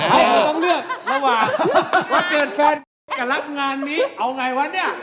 ต้องเลือกว่าเกิดแฟนกับรักงานนี้เอาไงวะเนี่ย